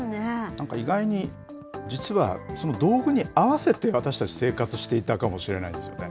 なんか意外に、実は道具に合わせて私たち、生活していたかもしれないですよね。